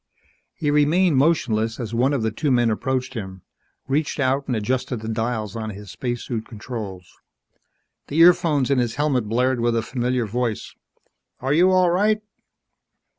He remained motionless as one of the two men approached him, reached out and adjusted the dials on his spacesuit controls. The earphones in his helmet blared with a familiar voice, "Are you all right?"